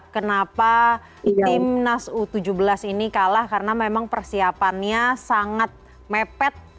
kenapa timnas u tujuh belas ini kalah karena memang persiapannya sangat mepet